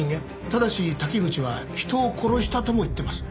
ただし滝口は人を殺したとも言っています。